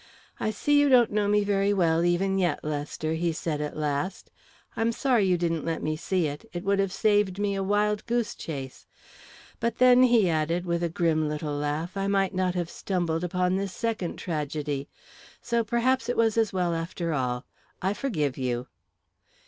"I see you don't know me very well, even yet, Lester," he said, at last. "I'm sorry you didn't let me see it. It would have saved me a wild goose chase. But then," he added, with a grim little laugh, "I might not have stumbled upon this second tragedy. So perhaps it was as well, after all. I forgive you."